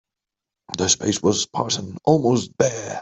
The space was spartan, almost bare.